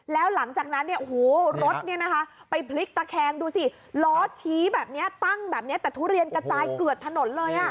แล้วหลังจากนั้นรถไปพลิกตะแคงดูสิล้อชี้แบบนี้ตั้งแบบนี้แต่ทุเรียนกระจายเกือบถนนเลย